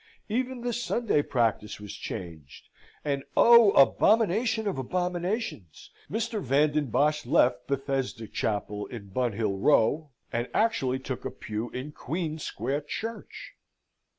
Even the Sunday practice was changed; and, oh, abomination of abominations! Mr. Van den Bosch left Bethesda Chapel in Bunhill Row, and actually took a pew in Queen Square Church!